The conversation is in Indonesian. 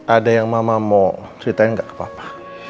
ada yang mama mau ceritain gak ke papa